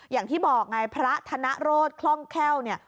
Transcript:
อย่างที่บอกไงพระธนโรธคล่องแค้วเนี่ย